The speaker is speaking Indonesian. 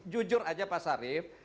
jujur aja pak syarif